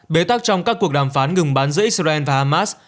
bế tắc trong các cuộc đàm phán ngừng bắn giữa israel và hamas